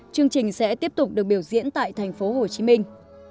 chương trình sẽ tiếp tục được biểu diễn tại thành phố hồ chí minh